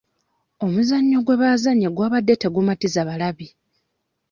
Omuzannyo gwe baazannye gwabadde tegumatiza balabi.